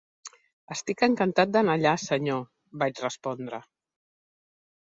"Estic encantat d"anar allà, senyor", vaig respondre.